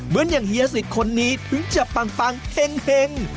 เหมือนอย่างเฮียสิทธิ์คนนี้ถึงจะปังเฮ็ง